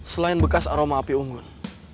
selain bekas aroma api unggun